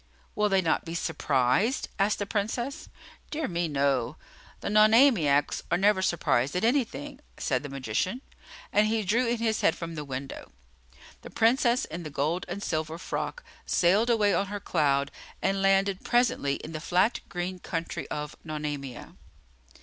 "Will they not be surprised?" asked the Princess. "Dear me, no! The Nonamiacs are never surprised at anything," said the magician; and he drew in his head from the window. The Princess in the gold and silver frock sailed away on her cloud, and landed presently in the flat, green country of Nonamia.